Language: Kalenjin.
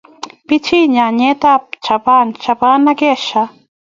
bchee nyanjetab Japan, Japan ak Asia